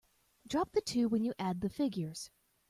Drop the two when you add the figures.